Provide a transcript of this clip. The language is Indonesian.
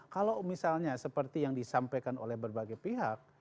kalau misalnya seperti yang disampaikan oleh berbagai pihak